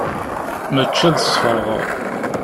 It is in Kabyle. Mačči ad sferɣeɣ.